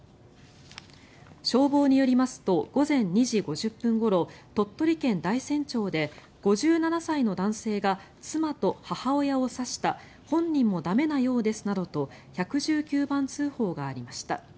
消防によりますと午前２時５０分ごろ鳥取県大山町で５７歳の男性が妻と母親を刺した本人も駄目なようですなどと１１９番通報がありました。